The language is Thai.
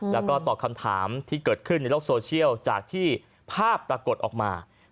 แล้วก็ตอบคำถามที่เกิดขึ้นในโลกโซเชียลจากที่ภาพปรากฏออกมา